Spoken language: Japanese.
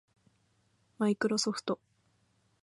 マイクロソフト